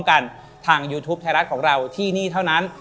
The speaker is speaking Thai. กันทางยูทูปไทยรัฐของเราที่นี่เท่านั้น